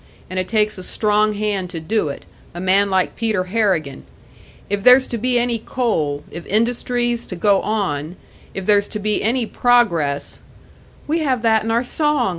And it takes a strong hand to do it a man like Peter Harrigan. If there's to be any coal, if industry's to go on, if there's to be any progress " "We have that in our song!"